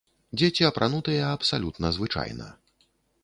Дзеці апранутыя абсалютна звычайна.